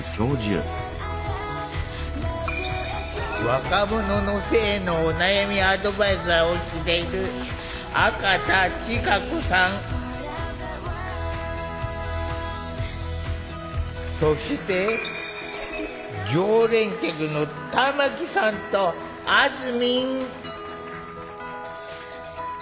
若者の性のお悩みアドバイザーをしているそして常連客の玉木さんとあずみん。